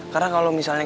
karena kalau misalnya